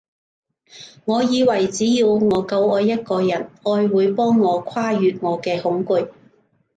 我以為只要我夠愛一個人，愛會幫我跨越我嘅恐懼